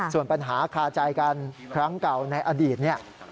ส่วนปัญหาคาใจกันครั้งเก่าในอดีตเนี่ย